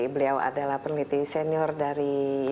beliau adalah peneliti senior dari